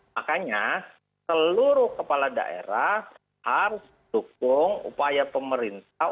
makanya seluruh kepala daerah harus dukung upaya pemerintah